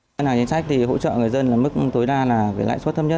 ngân hàng chính sách thì hỗ trợ người dân là mức tối đa là lãi suất thấp nhất